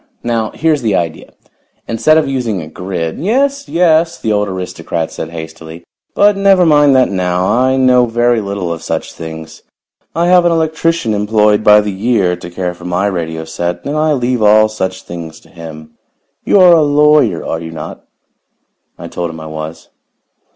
Now, here is the idea: instead of using a grid " "Yes, yes!" the old aristocrat said hastily. "But never mind that now. I know very little of such things. I have an electrician employed by the year to care for my radio set and I leave all such things to him. You are a lawyer, are you not?" I told him I was.